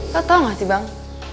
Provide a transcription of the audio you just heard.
lo tau gak sih bang